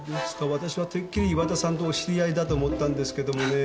わたしはてっきり岩田さんとお知り合いだと思ったんですけどもねえ。